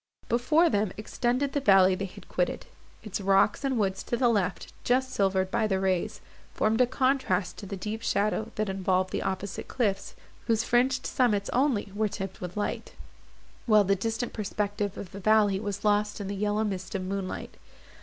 Before them, extended the valley they had quitted; its rocks, and woods to the left, just silvered by the rays, formed a contrast to the deep shadow, that involved the opposite cliffs, whose fringed summits only were tipped with light; while the distant perspective of the valley was lost in the yellow mist of moonlight.